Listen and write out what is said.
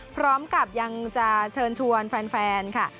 พร้อมกับยังจะเชิญชวนแฟนค่ะ